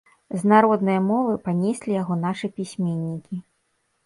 З народнае мовы панеслі яго нашы пісьменнікі.